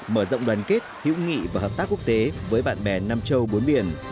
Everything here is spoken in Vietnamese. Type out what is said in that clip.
mở rộng đoàn kết hữu nghị và hợp tác quốc tế với bạn bè nam châu bốn biển